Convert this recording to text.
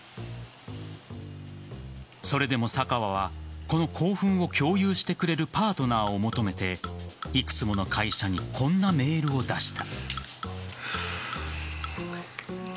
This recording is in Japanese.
それでも坂和はこの興奮を共有してくれるパートナーを求めていくつもの会社にこんなメールを出した。